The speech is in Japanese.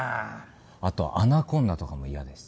あとアナコンダとかも嫌です。